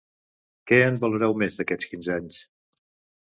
Què en valoreu més, d’aquests quinze anys?